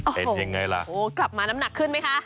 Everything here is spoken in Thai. โอ้โหกลับมาน้ำหนักขึ้นไหมคะ